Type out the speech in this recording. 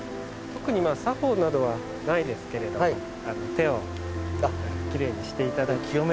特に作法などはないですけれど手をきれいにしていただき。